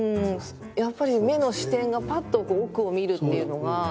やっぱり目の視点がパッと奥を見るっていうのが。